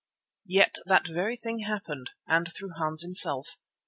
Yet that very thing happened, and through Hans himself.